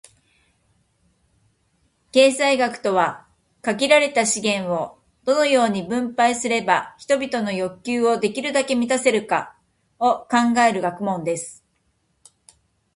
経済学とは、「限られた資源を、どのように分配すれば人々の欲求をできるだけ満たせるか」を考える学問です。